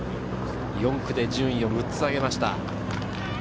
４区で順位を上げました。